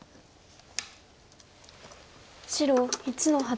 白１の八。